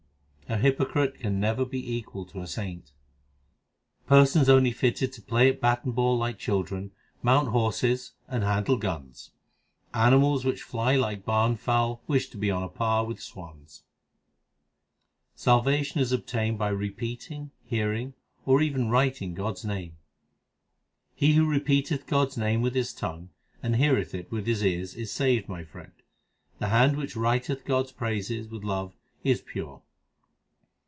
A hypocrite can never be equal to a saint : Persons only fitted to play at bat and ball like children, mount horses and handle guns. T2 276 THE SIKH RELIGION Animals which fly like barn fowl wish to be on a par with swans. Salvation is obtained by repeating, hearing, or even writing God s name : He who repeateth God s name with his tongue, and heareth it with his ears, is saved, my friend. The hand which writeth God s praises with love is pure.